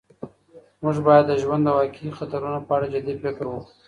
موږ باید د ژوند د واقعي خطرونو په اړه جدي فکر وکړو.